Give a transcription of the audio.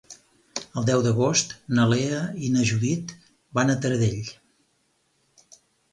El deu d'agost na Lea i na Judit van a Taradell.